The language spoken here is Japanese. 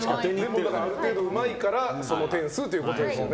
ある程度うまいからその点数ってことですよね。